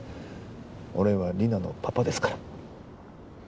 俺はリナのパパですから。